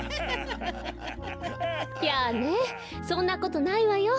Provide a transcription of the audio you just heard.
やあねそんなことないわよ。